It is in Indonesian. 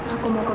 aku mau ke rumah